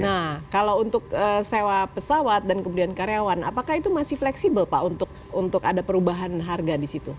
nah kalau untuk sewa pesawat dan kemudian karyawan apakah itu masih fleksibel pak untuk ada perubahan harga di situ